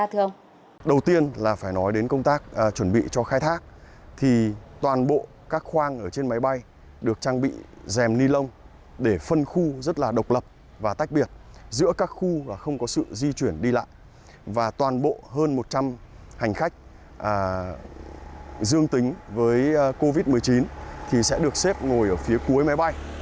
hành khách dương tính với covid một mươi chín thì sẽ được xếp ngồi ở phía cuối máy bay